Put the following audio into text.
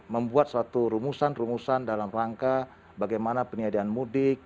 membuat suatu rumusan rumusan dalam rangka bagaimana penyediaan mudik